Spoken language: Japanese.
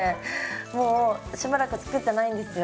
もうしばらく作ってないんですよ。